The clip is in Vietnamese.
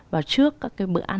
vào trước các cái bữa ăn